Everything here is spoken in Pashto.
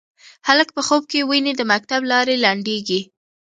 هلک په خوب کې ویني د مکتب لارې لنډیږې